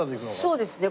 そうですね。